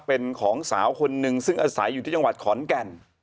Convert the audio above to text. เป็นของสาวคนนึงซึ่งอาศัยอยู่ที่จังหวัดขอนแก่น